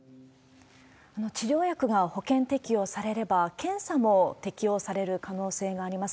治療薬が保険適用されれば、検査も適用される可能性があります。